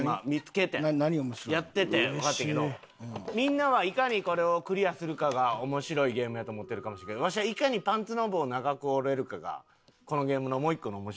やっててわかったんやけどみんなはいかにこれをクリアするかが面白いゲームやと思ってるかもしれんけどわしはいかにパンツノブを長くおれるかがこのゲームのもう一個の面白さ。